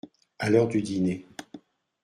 À l’heure du dîner.